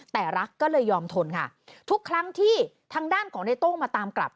แต่รักก็เลยยอมทนค่ะทุกครั้งที่ทางด้านของในโต้งมาตามกลับ